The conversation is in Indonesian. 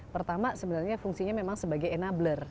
pertama sebenarnya fungsinya memang sebagai enabler